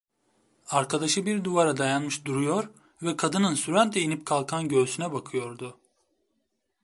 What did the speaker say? Arkadaşı bir duvara dayanmış duruyor ve kadının süratle inip kalkan göğsüne bakıyordu.